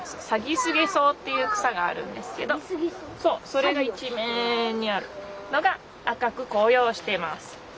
サギスゲソウっていう草があるんですけどそれが一面にあるのが赤く紅葉してます。